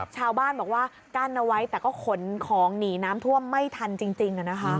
ชาวบ้านบอกว่ากั้นเอาไว้แต่ก็ขนของหนีน้ำท่วมไม่ทันจริง